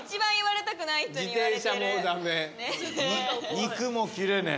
肉も切れねえ。